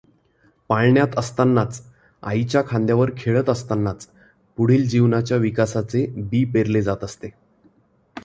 पाळण्यात असतानाच, आईच्या खांद्यावर खेळत असतानाच, पुढील जीवनाच्या विकासाचे बी पेरले जात असते.